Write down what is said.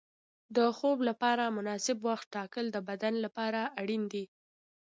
د خوب لپاره مناسب وخت ټاکل د بدن لپاره اړین دي.